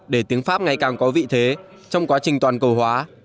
để tiếng pháp ngày càng có vị thế trong quá trình toàn cầu hóa